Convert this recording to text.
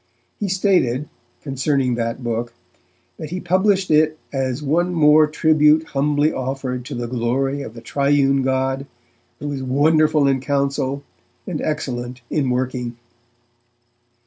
He stated, concerning that book, that he published it 'as one more tribute humbly offered to the glory of the Triune God, who is wonderful in counsel, and excellent in working'.